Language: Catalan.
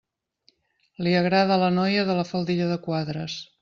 Li agrada la noia de la faldilla de quadres.